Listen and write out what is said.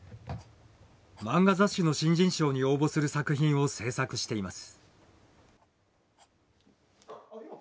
漫画雑誌の新人賞に応募する作品を制作しています。